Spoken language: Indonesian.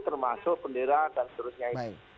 termasuk bendera dan seterusnya